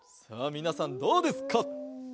さあみなさんどうですか？